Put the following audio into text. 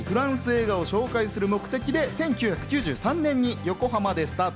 こちらは日本にフランス映画を紹介する目的で１９９３年に横浜でスタート。